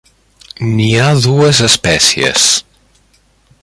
N'hi ha dues espècies.